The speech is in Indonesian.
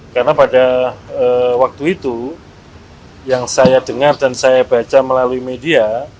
karena pada waktu itu yang saya dengar dan saya baca melalui media